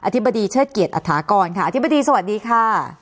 อธิบดีเชิดเกียจอธากรอธิบดีสวัสดีค่ะ